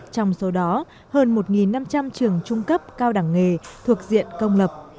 trong số đó hơn một năm trăm linh trường trung cấp cao đẳng nghề thuộc diện công lập